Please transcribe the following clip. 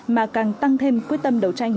mà càng tăng thêm quyết tâm đấu tranh